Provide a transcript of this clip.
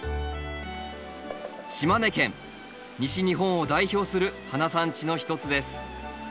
西日本を代表する花産地の一つです。